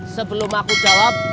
sebelum aku jawab